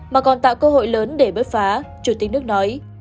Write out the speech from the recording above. mà còn tạo cơ hội lớn để bớt phá chủ tịch nước nói